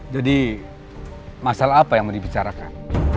jadi masalah apa yang dipicarakan